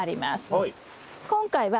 はい。